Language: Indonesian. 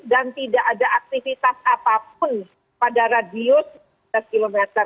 dan tidak ada aktivitas apapun pada radius sembilan belas km